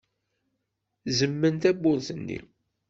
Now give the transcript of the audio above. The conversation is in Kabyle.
Zemmem tawwurt-nni.